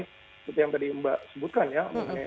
seperti yang tadi mbak sebutkan ya